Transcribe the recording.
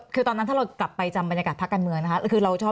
คือตอนนั้นถ้าเรากลับไปจำบรรยากาศพักการเมืองนะคะคือเราชอบ